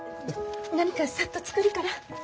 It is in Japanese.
何かサッと作るから。